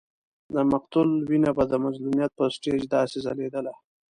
د مقتول وینه به د مظلومیت پر سټېج داسې ځلېدله.